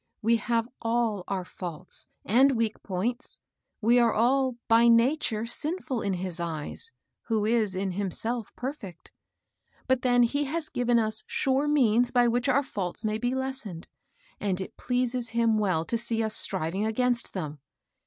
We have all our faults and weak points. We are all, by nature, sinful in his eyes, who is, in himself, perfect ; but then he has given us sure means by which our faults may be les sened, and it pleases him well to see us striving against them.